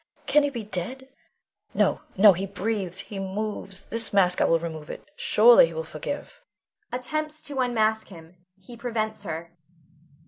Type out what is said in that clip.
Can he be dead? No, no! he breathes, he moves; this mask, I will remove it, surely he will forgive. [_Attempts to unmask him; he prevents her.